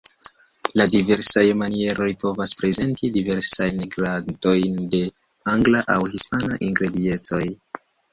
La diversaj manieroj povas prezenti diversajn gradojn de angla aŭ hispana ingrediencoj.